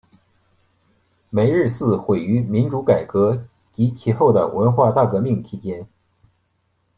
梅日寺毁于民主改革及其后的文化大革命期间。